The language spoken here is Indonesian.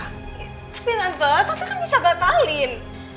tapi tante tante kan bisa batalin